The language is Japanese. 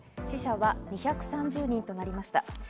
死者は２３０人となりました。